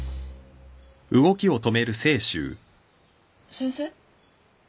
先生？